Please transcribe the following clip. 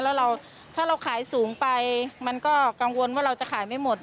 แล้วเราถ้าเราขายสูงไปมันก็กังวลว่าเราจะขายไม่หมด